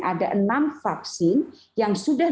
ada enam vaksin yang sudah